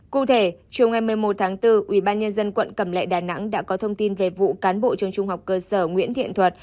cụ thể trường ngày một mươi một tháng bốn ủy ban nhân dân quận cẩm lệ đà nẵng đã có thông tin về vụ cán bộ trường trung học cơ sở nguyễn thiện thuật